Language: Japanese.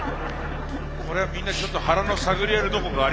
これはみんなちょっと腹の探り合いのとこがありそうですね。